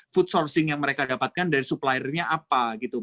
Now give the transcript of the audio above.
food sourcing yang mereka dapatkan dari supplier nya apa